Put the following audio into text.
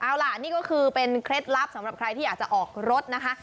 เอาล่ะนี่ก็คือเป็นเคล็ดลับสำหรับใครที่อยากจะออกรถนะคะ